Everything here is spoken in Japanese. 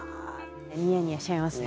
ニヤニヤしちゃいますね。